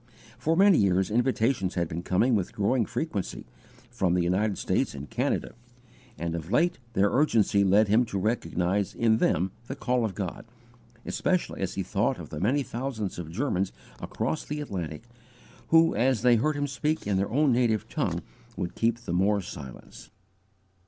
For many years invitations had been coming with growing frequency, from the United States and Canada; and of late their urgency led him to recognize in them the call of God, especially as he thought of the many thousands of Germans across the Atlantic, who as they heard him speak in their own native tongue would keep the more silence.